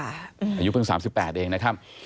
อายุเพิ่ง๓๘เองนะครับ